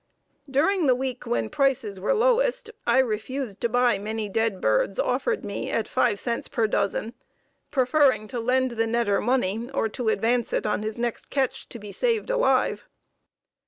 During the week when prices were lowest I refused to buy many dead birds offered me at five cents per dozen, preferring to lend the netter money, or to advance it on his next catch to be saved alive.